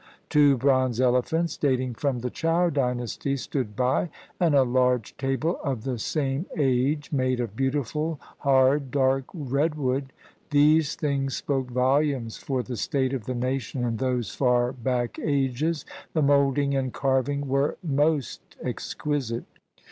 Two bronze elephants, dating from the Chow Dynasty, stood by, and a large table of the same age made of beautiful, hard, dark redwood, — these things spoke volumes for the state of the nation in those far back ages — the moulding and carving were most exquisite.